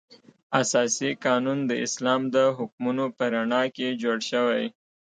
اساسي قانون د اسلام د حکمونو په رڼا کې جوړ شوی.